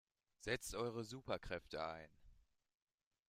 Setzt eure Superkräfte ein!